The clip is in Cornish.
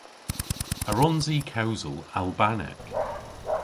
A wrons i kewsel Albanek?